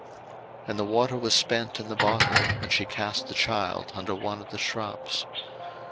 01:021:015 And the water was spent in the bottle, and she cast the child under one of the shrubs.